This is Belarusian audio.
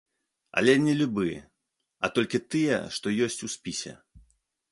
Але не любы, а толькі тыя, што ёсць у спісе.